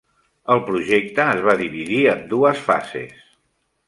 El projecte es va dividir en dues fases.